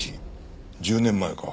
１０年前か。